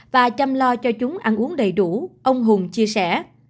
và chăm lo cho chúng ăn uống đầy đủ ông hùng chia sẻ